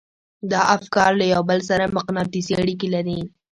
دا افکار له يو بل سره مقناطيسي اړيکې لري.